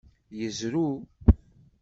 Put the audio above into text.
Yezrew.